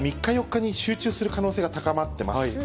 やはり３日、４日に集中する可能性が高まってます。